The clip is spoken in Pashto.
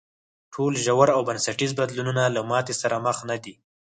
ټول ژور او بنسټیز بدلونونه له ماتې سره مخ نه دي.